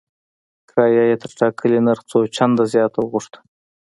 کرایه یې تر ټاکلي نرخ څو چنده زیاته وغوښته.